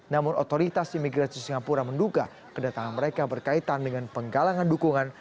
namun otoritas imigrasi singapura menduga kedatangan mereka berkaitan dengan penggalangan dukungan